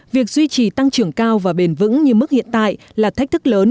việc duy trì tăng trưởng cao và bền vững như mức hiện tại là thách thức lớn